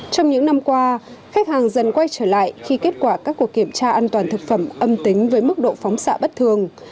trong những năm qua khách hàng dần quay trở lại khi kết quả các cuộc kiểm tra an toàn thực phẩm âm tính với mức độ phóng xạ bất thường